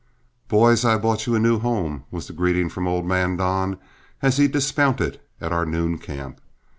"Boys, I have bought you a new home," was the greeting of old man Don, as he dismounted at our noon camp.